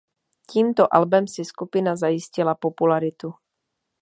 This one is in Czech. Tímto albem si skupina zajistila popularitu.